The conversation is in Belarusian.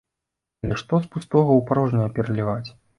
Але што з пустога ў парожняе пераліваць!